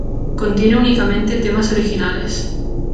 Contiene únicamente temas originales.